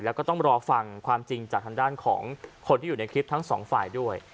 แล้วก็ต้องรอฟังความจริงจากทางด้านของคนที่อยู่ในคลิปทั้งสองฝ่ายด้วย